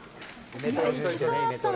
いきそうだったな、